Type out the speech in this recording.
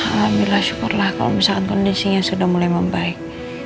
alhamdulillah syukurlah kalau misalnya kondisinya sudah mulai membaik